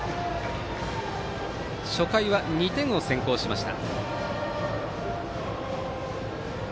初回は２点を先行しました。